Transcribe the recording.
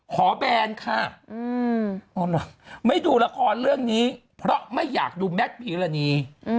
แบนค่ะไม่ดูละครเรื่องนี้เพราะไม่อยากดูแมทพีรณี